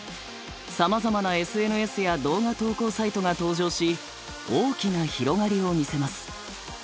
さまざまなＳＮＳや動画投稿サイトが登場し大きな広がりを見せます。